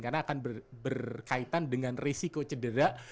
karena akan berkaitan dengan risiko cedera